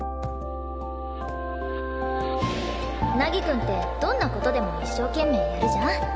凪くんってどんな事でも一生懸命やるじゃん？